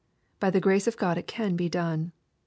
By the grace of God it can be done.